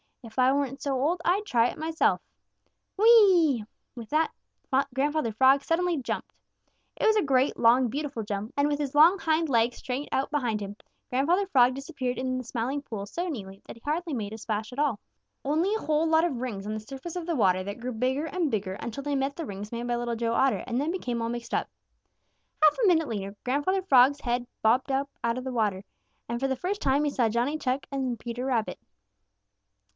If I weren't so old, I'd try it myself. Wheee!" With, that, Grandfather Frog suddenly jumped. It was a great, long, beautiful jump, and with his long hind legs straight out behind him, Grandfather Frog disappeared in the Smiling Pool so neatly that he made hardly a splash at all, only a whole lot of rings on the surface of the water that grew bigger and bigger until they met the rings made by Little Joe Otter and then became all mixed up. Half a minute later Grandfather Frog's head bobbed up out of the water, and for the first time he saw Johnny Chuck and Peter Rabbit.